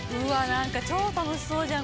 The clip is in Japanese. なんか超楽しそうじゃん